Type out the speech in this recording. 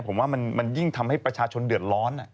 ผมว่ามันยิ่งทำให้ประชาชนเดือดร้อน